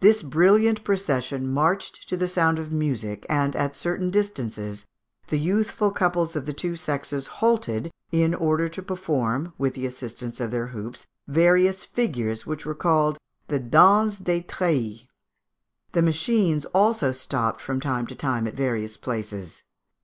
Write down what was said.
This brilliant procession marched to the sound of music, and, at certain distances, the youthful couples of the two sexes halted, in order to perform, with the assistance of their hoops, various figures, which were called the Danse des Treilles. The machines also stopped from time to time at various places.